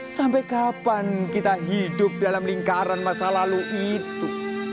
sampai kapan kita hidup dalam lingkaran masa lalu itu